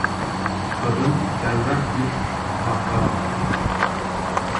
Kadın berrak bir kahkaha attı.